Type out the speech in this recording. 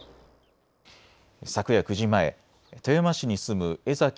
昨夜９時前、富山市に住む江ざき